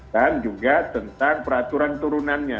dan juga tentang peraturan turunannya